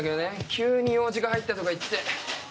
急に用事が入ったとか言って。